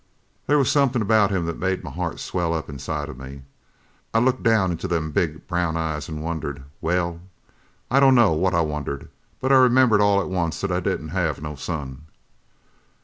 "There was somethin' about him that made my heart swell up inside of me. I looked down into them big brown eyes and wondered well, I don't know what I wondered; but I remembered all at once that I didn't have no son.